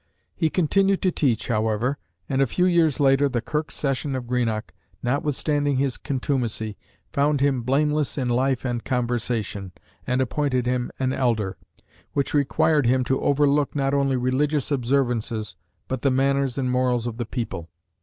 He continued to teach, however, and a few years later the Kirk Session of Greenock, notwithstanding his contumacy, found him "blameless in life and conversation," and appointed him an Elder, which required him to overlook not only religious observances, but the manners and morals of the people.